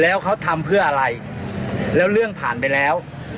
แล้วเขาทำเพื่ออะไรแล้วเรื่องผ่านไปแล้ว